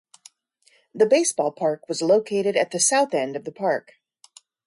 The baseball park was located at the south end of the park.